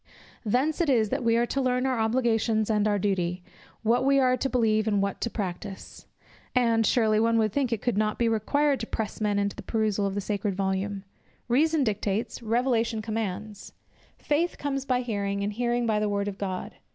Thence it is that we are to learn our obligations and our duty, what we are to believe and what to practise. And, surely, one would think it could not be required to press men to the perusal of the sacred volume. Reason dictates, Revelation commands; "Faith comes by hearing, and hearing by the word of God."